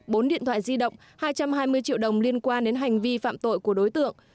bốn điện thoại di động hai trăm hai mươi triệu đồng liên quan đến hành vi phạm tội của đối tượng